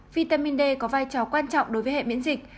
vitamin d có vai trò quan trọng đối với hệ miễn dịch